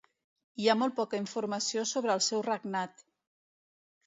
Hi ha molt poca informació sobre el seu regnat.